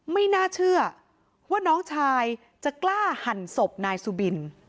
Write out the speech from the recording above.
ไม่น่าเชื่อว่าน้องชายจะกล้าหั่นศพนายสุบิน